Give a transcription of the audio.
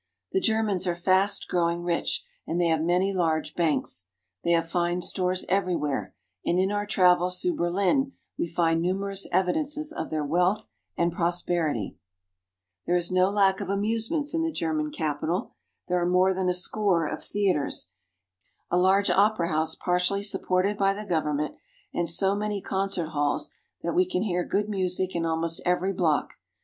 The Ger mans are fast growing rich, and they have many large banks. They have fine stores everywhere, and in our travels through Berlin we find numerous evidences of their wealth and prosperity. Sans Souci. There is no lack of amusements in the German capital. There are more than a score of theaters, a large opera house partially supported by the government, and so many concert halls that we can hear good music in almost every block.